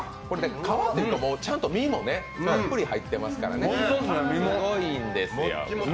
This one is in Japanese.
皮というか、ちゃんと身もたっぷり入ってますからね、すごいんですよ。